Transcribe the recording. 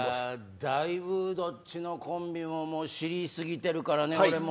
どっちのコンビも知り過ぎてるからね、俺も。